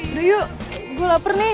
aduh yuk gue lapar nih